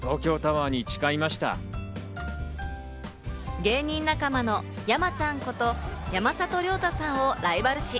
芸人仲間の山ちゃんこと・山里亮太さんをライバル視。